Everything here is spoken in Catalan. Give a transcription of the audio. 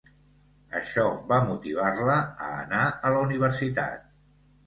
Això va motivar-la a anar a la universitat.